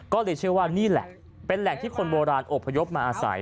ก็เลยเชื่อว่านี่แหละเป็นแหล่งที่คนโบราณอบพยพมาอาศัย